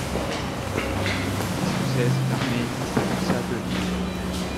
Du dix au seize, l'armée ennemie s'avança de l'Inn sur l'Iser.